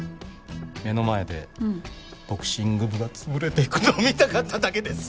目の前でボクシング部が潰れていくのを見たかっただけです！